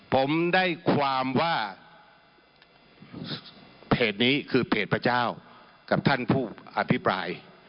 ผมได้ความว่าเพจนี้คือเพจพระเจ้ากับท่านผู้อภิปราย